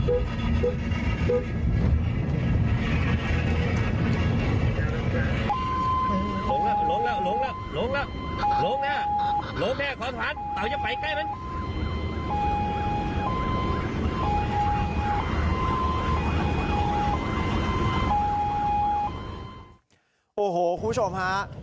โอ้โหคุณผู้ชมฮะ